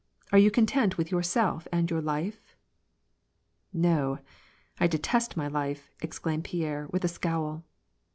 Are you content with yourself and your life ?"" IS'o, I detest my life," exclaimed Pierre, with a scowl.